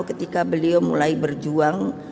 ketika beliau mulai berjuang